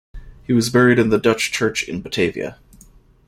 He was buried in the Dutch church in Batavia.